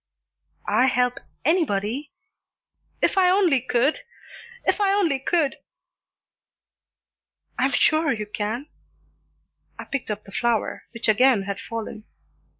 "I help anybody! Oh, my God! if I only could! If I only could!" "I'm sure you can." I picked up the flower, which again had fallen.